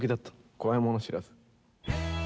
怖いもの知らず。